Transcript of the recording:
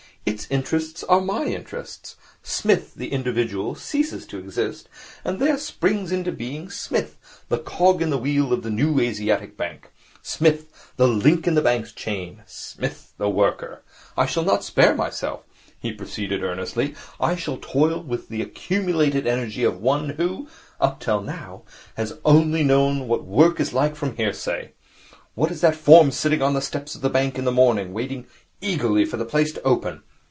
Its interests are my interests. Psmith, the individual, ceases to exist, and there springs into being Psmith, the cog in the wheel of the New Asiatic Bank; Psmith, the link in the bank's chain; Psmith, the Worker. I shall not spare myself,' he proceeded earnestly. 'I shall toil with all the accumulated energy of one who, up till now, has only known what work is like from hearsay. Whose is that form sitting on the steps of the bank in the morning, waiting eagerly for the place to open?